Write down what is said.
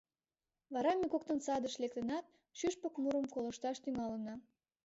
Вара ме коктын садыш лектынат, шӱшпык мурым колышташ тӱҥалына.